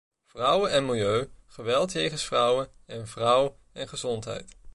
Vrouwen en milieu, geweld jegens vrouwen en vrouw en gezondheid.